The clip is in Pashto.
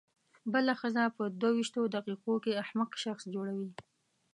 بله ښځه په دوه وېشتو دقیقو کې احمق شخص جوړوي.